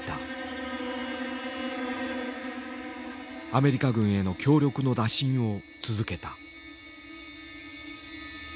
アメリカ軍への協力の打診を続けた。